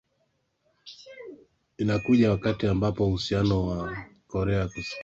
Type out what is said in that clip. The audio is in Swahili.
inakuja wakati ambapo uhusiano wao na korea kusini